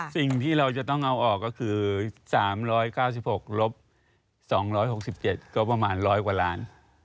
สิ่งที่เราจะต้องเอาออกก็คือ๓๙๖ลบ๒๖๗ก็ประมาณ๑๐๐กว่าล้าน